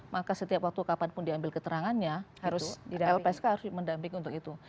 maka setiap waktu kapanpun diambil keterangannya lpsk harus mendamping untuk itu